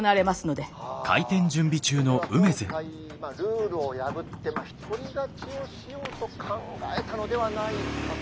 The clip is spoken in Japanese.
では今回ルールを破って一人勝ちをしようと考えたのではないかと。